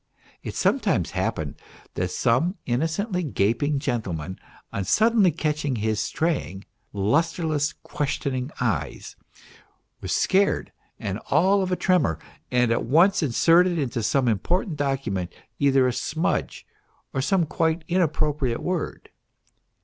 It sometimes happened that some innocently gaping gentleman, on suddenly catching his straying, lustreless, questioning eyes, was scared and all of a tremor, and at once inserted into some important document either a smudge or some quite inappropri ate word.